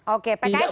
oke pks ini menang ya